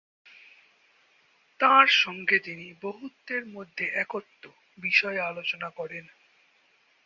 তাঁর সঙ্গে তিনি ‘বহুত্বের মধ্যে একত্ব’ বিষয়ে আলোচনা করেন।